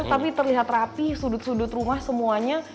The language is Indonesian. tapi terlihat rapi sudut sudut rumah semuanya